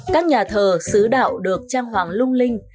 các nhà thờ xứ đạo được trang hoàng lung linh